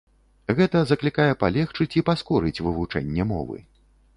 Гэта заклікае палегчыць і паскорыць вывучэнне мовы.